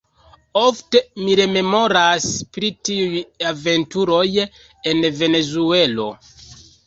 Ofte mi rememoras pri tiuj aventuroj en Venezuelo.